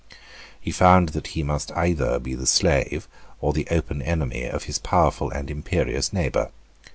He found that he must be either the slave or the open enemy of his powerful and imperious neighbour.